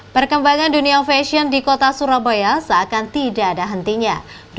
perkembangan dunia fashion di kota surabaya seakan tidak ada hentinya